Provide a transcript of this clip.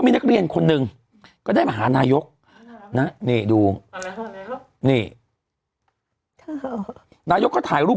มีนักเรียนคนหนึ่งก็ได้มาหานายกนี่ดูนี่นายกก็ถ่ายรูป